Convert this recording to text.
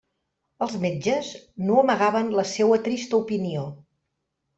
Els metges no amagaven la seua trista opinió.